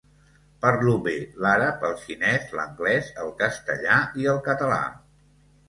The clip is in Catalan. Parlo bé l'àrab, el xinès, l'anglès, el castellà i el català.